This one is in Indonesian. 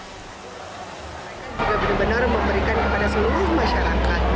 dia benar benar memberikan kepada seluruh masyarakat